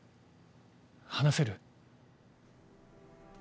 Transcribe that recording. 話せる？